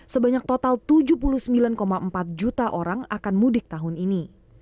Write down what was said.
sebanyak total tujuh puluh sembilan empat juta orang akan mudik tahun ini